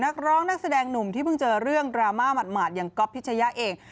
นักร้องนักแสดงหนุ่มที่เพิ่งเจอเรื่องดราม่าหมาดอย่างก๊อฟพิชยะเอง